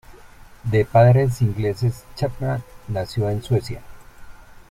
De padres ingleses, Chapman nació en Suecia.